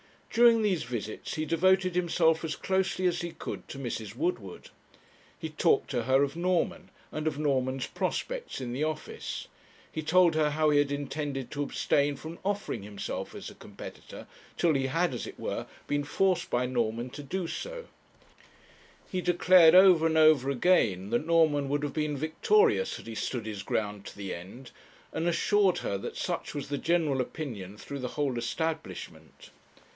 During these visits, he devoted himself, as closely as he could, to Mrs. Woodward. He talked to her of Norman, and of Norman's prospects in the office; he told her how he had intended to abstain from offering himself as a competitor, till he had, as it were, been forced by Norman to do so; he declared over and over again that Norman would have been victorious had he stood his ground to the end, and assured her that such was the general opinion through the whole establishment.